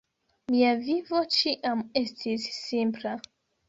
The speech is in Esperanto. Mia vivo ĉiam estis simpla.